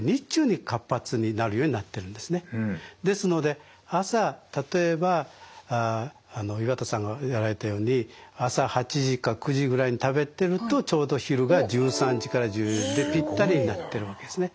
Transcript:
ですので朝例えば岩田さんがやられたように朝８時か９時ぐらいに食べてるとちょうど昼が１３時から１４時でぴったりになってるわけですね。